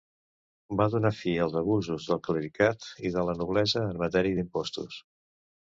Va donar fi als abusos del clericat i de la noblesa en matèria d'impostos.